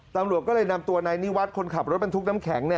ตำรวจก็เลยนำตัวนายนิวัตรคนขับรถบรรทุกน้ำแข็ง